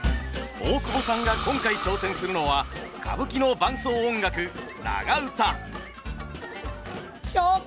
大久保さんが今回挑戦するのは歌舞伎の伴奏音楽長唄。